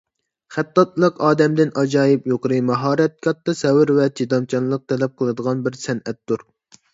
خەتتاتلىق ئادەمدىن ئاجايىپ يۇقىرى ماھارەت، كاتتا سەۋر ۋە چىدامچانلىق تەلەپ قىلىدىغان بىر سەنئەتتۇر.